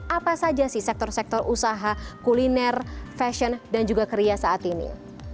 apa saja sih sektor sektor usaha kuliner fashion dan juga kria saat ini